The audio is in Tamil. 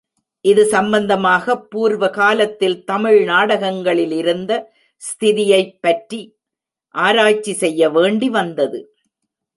இது சம்பந்தமாகப் பூர்வகாலத்தில் தமிழ் நாடகங்களிலிருந்த ஸ்திதியைப் பற்றி ஆராய்ச்சி செய்ய வேண்டி வந்தது.